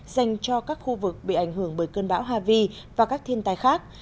dành cho các khu vực bị ảnh hưởng bởi cơn bão harvey và các thiên tài khác